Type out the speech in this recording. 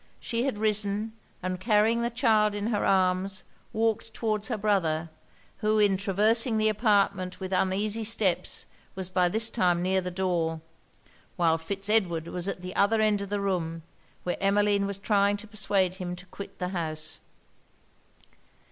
She had risen; and carrying the child in her arms, walked towards her brother, who in traversing the apartment with uneasy steps was by this time near the door; while Fitz Edward was at the other end of the room, where Emmeline was trying to persuade him to quit the house.